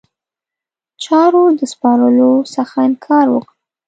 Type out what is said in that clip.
چارو د سپارلو څخه انکار وکړ.